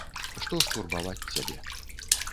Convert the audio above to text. Што ж турбаваць цябе.